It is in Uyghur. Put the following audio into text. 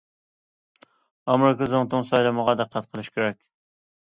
ئامېرىكا زۇڭتۇڭ سايلىمىغا دىققەت قىلىش كېرەك.